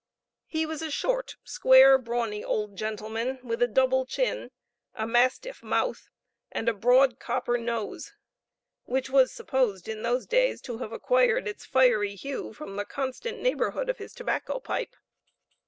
He was a short, square, brawny old gentleman, with a double chin, a mastiff mouth, and a broad copper nose, which was supposed in those days to have acquired its fiery hue from the constant neighborhood of his tobacco pipe.